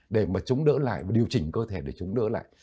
để mà chống đỡ lại và điều chỉnh cơ thể để chúng đỡ lại